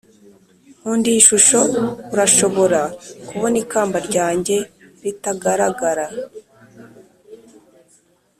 nkunda iyi shusho; urashobora kubona ikamba ryanjye ritagaragara?